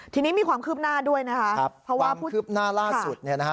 ทีนี้มีความคืบหน้าด้วยนะคะเพราะว่าความคืบหน้าล่าสุด